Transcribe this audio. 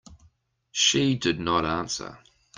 She did not answer.